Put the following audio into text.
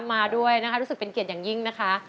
มาด้วยรู้สึกเป็นเกียจอย่างยิ่งนะคะ